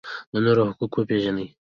د نورو حقوق وپیژنئ